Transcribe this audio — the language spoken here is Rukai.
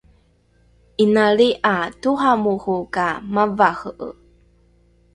inali ’a toramoro ka mavare’e